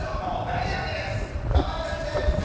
かまいたちです。